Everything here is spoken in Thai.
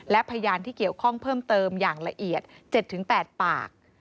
และพยานที่เกี่ยวข้องเพิ่มเติมอย่างละเอียด๗๘ปาก